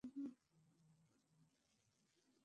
জানি না এভাবে কেন বললাম।